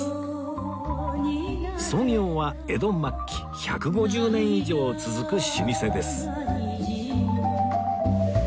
創業は江戸末期１５０年以上続く老舗です